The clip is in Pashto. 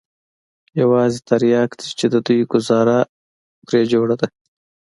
يوازې ترياک دي چې د دوى گوزاره پرې جوړه ده.